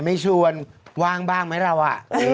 ไม่ชวนว่างบ้างไหมเราอ่ะ